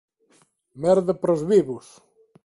merda para os vivos!